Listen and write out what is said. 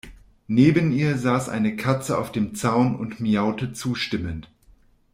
Neben ihr saß eine Katze auf dem Zaun und miaute zustimmend.